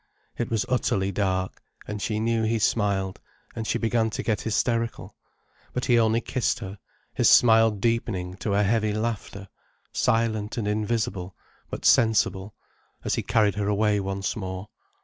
It was utterly dark, and she knew he smiled, and she began to get hysterical. But he only kissed her, his smiling deepening to a heavy laughter, silent and invisible, but sensible, as he carried her away once more.